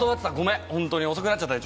遅くなっちゃったね。